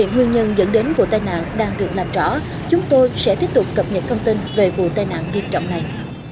nguyên nhân dẫn đến vụ tai nạn đang được làm rõ chúng tôi sẽ tiếp tục cập nhật thông tin về vụ tai nạn nghiêm trọng này